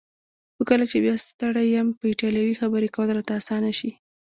خو کله چې بیا ستړی یم په ایټالوي خبرې کول راته اسانه شي.